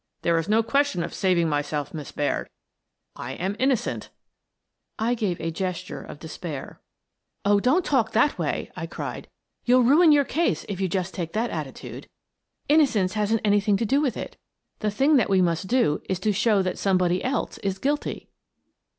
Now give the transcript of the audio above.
There is no question of sav ing myself, Miss Baird, — I am innocent." I gave a gesture of despair. "Oh, don't talk that way!" I cried. "You'll ruin your case if you just take that attitude. Inno 134 Miss Frances Baird, Detective cence hasn't anything to do with it. The thing that we must do is to show that somebody else is guilty."